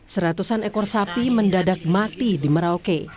seratusan ekor sapi mendadak mati di merauke